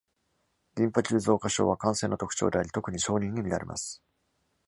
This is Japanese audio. リンパ球増加症は感染の特徴であり、特に小児に見られます。